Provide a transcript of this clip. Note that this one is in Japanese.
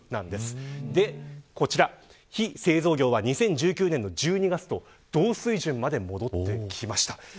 そしてこちら非製造業は２０１９年の１２月同水準まで戻ってきました。